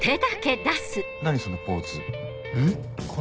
何そのポーズ